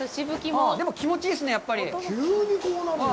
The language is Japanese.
でも、気持ちいいっすね、やっぱり。